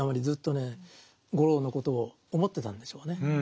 ずっとね五郎のことを思ってたんでしょうね。